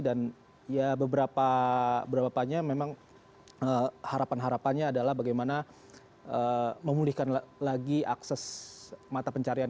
dan ya beberapa beberapanya memang harapan harapannya adalah bagaimana memulihkan lagi akses mata pencarian